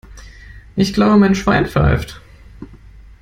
Ich glaube, mein Schwein pfeift!